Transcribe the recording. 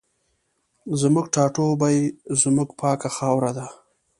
زموږ ټاټوبی زموږ پاکه خاوره ده